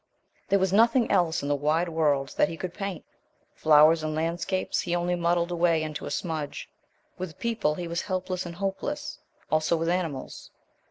There was nothing else in the wide world that he could paint; flowers and landscapes he only muddled away into a smudge; with people he was helpless and hopeless; also with animals.